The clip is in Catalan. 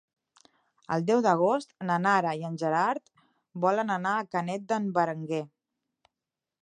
El deu d'agost na Nara i en Gerard volen anar a Canet d'en Berenguer.